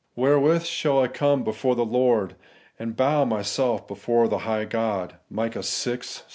' Wherewith shall I come before the Lord, and bow myself before the high God ?' (Mic.